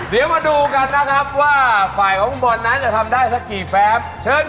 เดี๋ยวมาดูกันนะครับว่าฝ่ายของคุณบอลนั้นจะทำได้สักกี่แฟมเชิญ